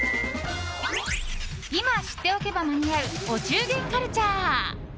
今知っておけば間に合うお中元カルチャー。